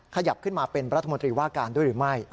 ขยับขึ้นมาเป็นรัฐมนตรีว่าการด้วยหรือไม่